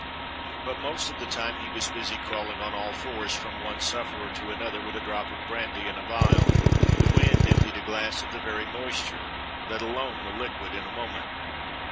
But most of the time he was busy crawling on all fours from one sufferer to another with a drop of brandy in a phial. The wind emptied a glass of the very moisture let alone the liquid in a moment.